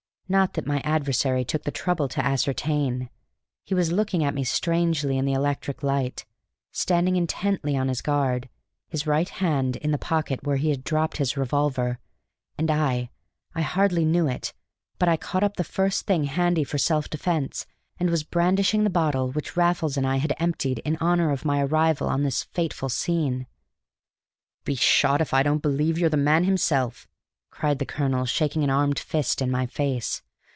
Not that my adversary took the trouble to ascertain. He was looking at me strangely in the electric light, standing intently on his guard, his right hand in the pocket where he had dropped his revolver. And I I hardly knew it but I caught up the first thing handy for self defence, and was brandishing the bottle which Raffles and I had emptied in honor of my arrival on this fatal scene. "Be shot if I don't believe you're the man himself!" cried the colonel, shaking an armed fist in my face.